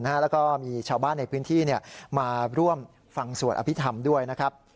แล้วก็มีชาวบ้านในพื้นที่มาร่วมฟังสวดอภิษฐรรมด้วยนะครับ